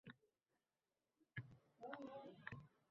Parvoz xavfsizligi degan gap g'irt cho'pchak